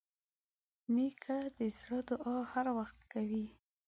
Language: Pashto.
نیکه د زړه دعا هر وخت کوي.